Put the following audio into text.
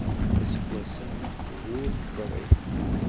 Aseggas-a d wur neḍṛi.